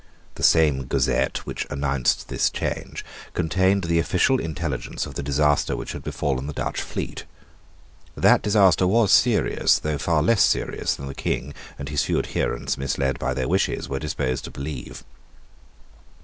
The same Gazette which announced this change contained the official intelligence of the disaster which had befallen the Dutch fleet. That disaster was serious, though far less serious than the King and his few adherents, misled by their wishes, were disposed to believe.